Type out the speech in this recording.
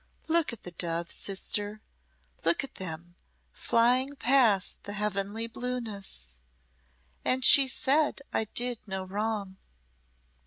Look at the doves, sister, look at them, flying past the heavenly blueness and she said I did no wrong."